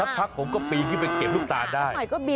สักพักผมก็ปีนไปเก็บลูกตาได้